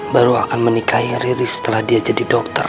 baru akan menikahi riri setelah dia jadi dokter